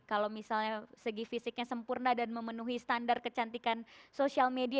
kalau misalnya segi fisiknya sempurna dan memenuhi standar kecantikan sosial media